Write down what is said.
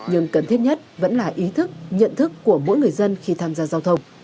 nhưng cần thiết nhất vẫn là ý thức nhận thức của mỗi người dân khi tham gia giao thông